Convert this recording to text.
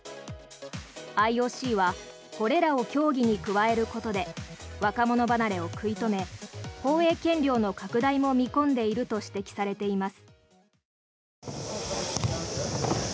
ＩＯＣはこれらを競技に加えることで若者離れを食い止め放映権料の拡大も見込んでいると指摘されています。